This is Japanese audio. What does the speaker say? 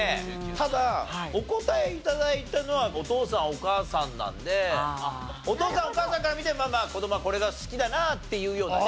ただお答え頂いたのはお父さんお母さんなのでお父さんお母さんから見て子どもはこれが好きだなあっていうようなね。